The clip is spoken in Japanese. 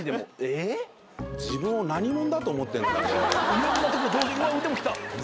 いろんなとこ同時にうわ腕もきた。